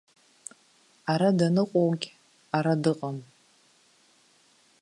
Ара даныҟоугь ара дыҟам.